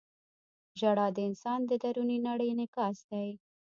• ژړا د انسان د دروني نړۍ انعکاس دی.